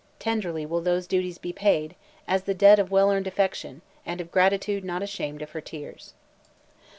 Tenderly will those duties be paid, as the debt of well earned affection, and of gratitude not ashamed of her tears."